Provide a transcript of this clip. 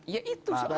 ya itu soalnya